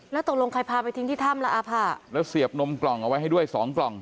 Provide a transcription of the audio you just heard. แล้วตกลงใครพาไปทิ้งที่ถ้ำละอาผ่าแล้วเสียบนมกล่องเอาไว้ให้ด้วยสองกล่อง